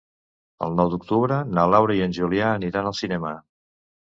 El nou d'octubre na Laura i en Julià aniran al cinema.